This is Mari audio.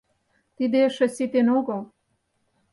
Тиде эше ситен огыл!